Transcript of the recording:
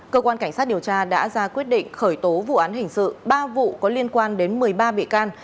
cơ quan cảnh sát điều tra đã ra quyết định khởi tố vụ án hình sự ba vụ có liên quan đến một mươi ba bị can